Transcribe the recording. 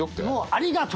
「ありがと」